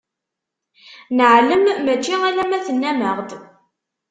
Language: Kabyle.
Neɛlem, mačči alamma tennam-aɣ-d.